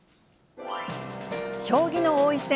将棋の王位戦